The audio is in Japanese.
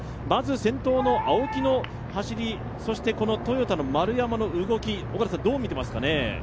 先頭の青木の走り、そしてトヨタの丸山の動きどう見てますかね？